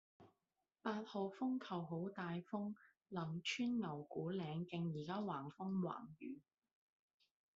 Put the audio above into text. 八號風球好大風，林村牛牯嶺徑依家橫風橫雨